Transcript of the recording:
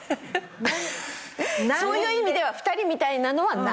そういう意味では２人みたいなのはない。